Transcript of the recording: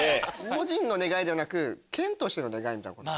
個人の願いではなく県としての願いみたいなこと？